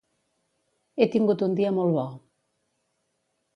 He tingut un dia molt bo.